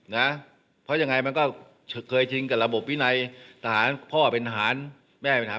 นะพอจังหายก็เคยชิงกับระบบวินัยพ่อเป็นทหารแม่เป็นทหาร